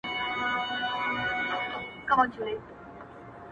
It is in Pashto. مرور سهار به هله راستنېږي,